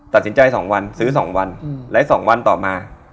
ตัดสินใจกว่า๒วันซื้อ๒วันแล้ว๒วันก็ต่อมา